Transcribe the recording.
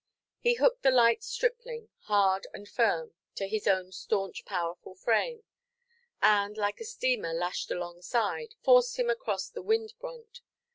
He hooked the light stripling, hard and firm, to his own staunch powerful frame, and, like a steamer lashed alongside, forced him across the wind–brunt.